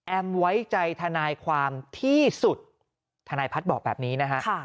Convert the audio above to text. ไว้ใจทนายความที่สุดทนายพัฒน์บอกแบบนี้นะฮะ